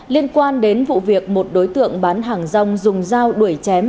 liên quan đến vụ việc một đối tượng bán hàng rong dùng dao đuổi chém